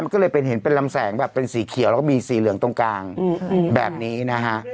ก็เลยเป็นเห็นเป็นลำแสงแบบเป็นสีเขียวแล้วก็มีสีเหลืองตรงกลางแบบนี้นะฮะ